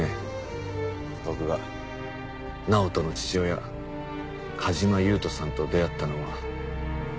僕が直人の父親梶間優人さんと出会ったのは。